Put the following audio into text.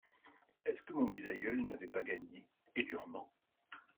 Est-ce que mon bisaïeul n’avait pas gagné, et durement